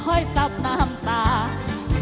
ก็จะมีความสุขมากกว่าทุกคนค่ะ